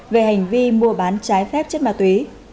về hành vi mua bán trái phép chất ma túy